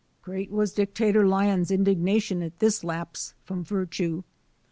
Great was Dictator Lion's indignation at this lapse from virtue.